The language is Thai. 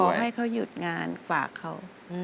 วันนี้ขอให้เขาหยุดงานฝากเขา